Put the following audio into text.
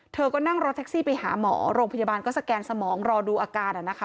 เธอก็นั่งรถแท็กซี่ไปหาหมอโรงพยาบาลก็สแกนสมองรอดูอาการ